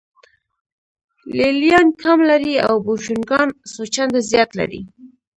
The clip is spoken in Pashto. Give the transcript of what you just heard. لې لیان کم لري او بوشونګان څو چنده زیات لري